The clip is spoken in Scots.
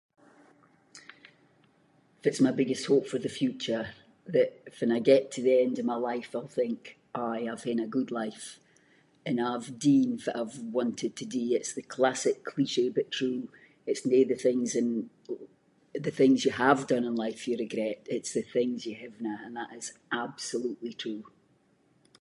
Fitt’s my biggest hope for the future? That fann I get to the end of my life, I’ll think, aye I’ve haen a good life, and I’ve done fitt I’ve wanted to do, it’s the classic cliché but true, it’s no the things in- the things you have done in life you regret, it’s the things you havenae, and that is absolutely true.